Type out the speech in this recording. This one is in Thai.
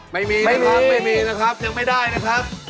ไม่มีนะครับยังไม่ได้นะครับไม่มี